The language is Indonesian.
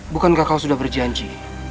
bukan kakak sudah berjanji